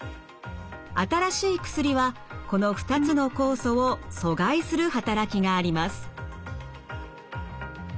新しい薬はこの２つの酵素を阻害する働きがあります。